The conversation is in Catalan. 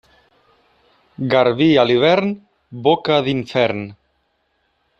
Garbí a l'hivern, boca d'infern.